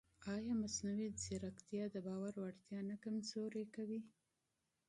ایا مصنوعي ځیرکتیا د باور وړتیا نه کمزورې کوي؟